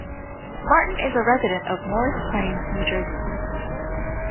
Martin is a resident of Morris Plains, New Jersey.